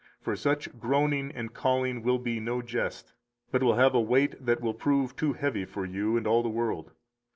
For such groaning and calling will be no jest, but will have a weight that will prove too heavy for you and all the world.